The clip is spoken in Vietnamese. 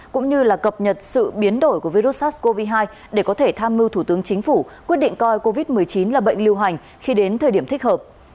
cũng như là cập nhật sự biến đổi của virus sars cov hai để có thể tham mưu thủ tướng chính phủ quyết định coi covid một mươi chín là bệnh lưu hành khi đến thời điểm thích hợp